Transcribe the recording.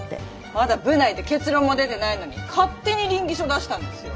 まだ部内で結論も出てないのに勝手に稟議書出したんですよ？